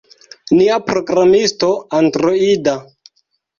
Nia programisto Androida